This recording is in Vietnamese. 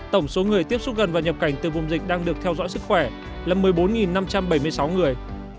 tổng số người tiếp xúc gần và nhập cảnh từ vùng dịch đang được theo dõi sức khỏe là một mươi bốn năm trăm bảy mươi sáu người